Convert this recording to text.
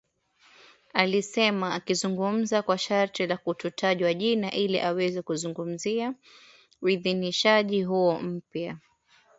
alisema akizungumza kwa sharti la kutotajwa jina ili aweze kuzungumzia uidhinishaji huo mpya